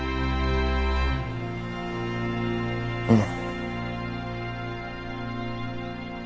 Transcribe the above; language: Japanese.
うん。